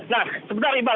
nah sebentar iba